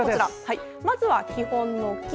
まずは基本の「き」。